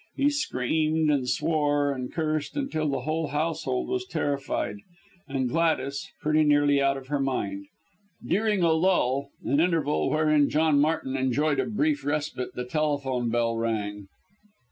He screamed, and swore, and cursed, until the whole household was terrified and Gladys, pretty nearly out of her mind. During a lull an interval, wherein John Martin enjoyed a brief respite, the telephone bell rang.